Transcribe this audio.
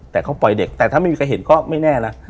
แต่เขาปล่อยเด็กแต่ถ้าไม่มีใครเห็นก็ไม่แน่นะ